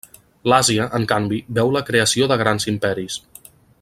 L'Àsia, en canvi, veu la creació de grans imperis.